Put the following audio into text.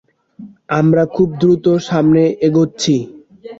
আমরা খুব দ্রুত সামনে এগোচ্ছি।